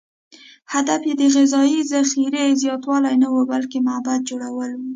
هدف یې د غذایي ذخیرې زیاتوالی نه و، بلکې معبد جوړول و.